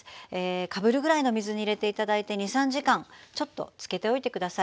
かぶるぐらいの水に入れて頂いて２３時間ちょっとつけておいて下さい。